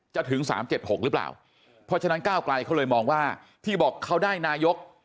ถึง๓๗๖หรือเปล่าเพราะฉะนั้นก้าวไกลเขาเลยมองว่าที่บอกเขาได้นายก